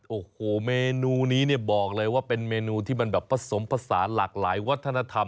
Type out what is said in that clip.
โอ้โหเมนูนี้เนี่ยบอกเลยว่าเป็นเมนูที่มันแบบผสมผสานหลากหลายวัฒนธรรม